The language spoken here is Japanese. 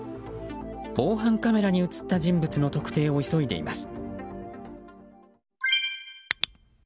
防犯カメラに映った人物の特定を急いでいます。